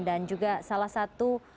dan juga salah satu